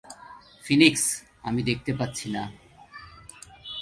Phoenix, আমি দেখতে পাচ্ছি না।